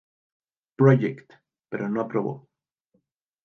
Project, pero no aprobó.